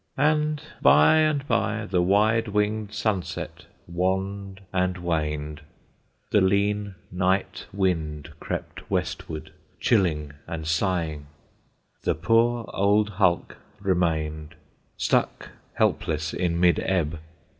And by and by The wide winged sunset wanned and waned; The lean night wind crept westward, chilling and sighing; The poor old hulk remained, Stuck helpless in mid ebb.